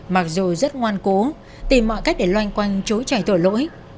mặc dù rất ngoan cố tìm mọi cách để loanh quanh chối chạy tội lỗi